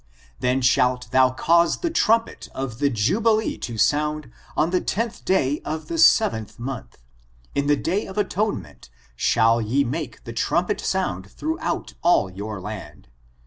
Then shalt thou cause the trumpet of the jubilee to sound on the tenth day of the seventh month ; in the day of atonement shall ye make the trumpet sound throughout all your land.